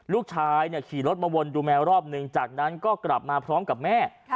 ลูกชายเนี่ยขี่รถมาวนดูแมวรอบหนึ่งจากนั้นก็กลับมาพร้อมกับแม่ค่ะ